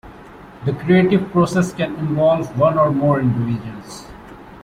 The creative process can involve one or more individuals.